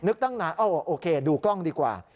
ตั้งนานโอเคดูกล้องดีกว่า